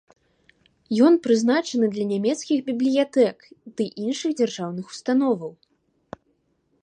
Ён прызначаны для нямецкіх бібліятэк ды іншых дзяржаўных установаў.